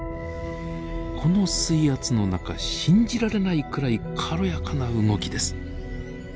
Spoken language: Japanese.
この水圧の中信じられないくらい軽やかな動きです。